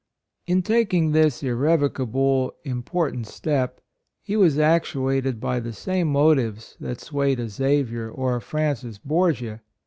In taking this irrevocable import ant step, he was actuated by the same motives that swayed a Xavier or a Francis Borgia.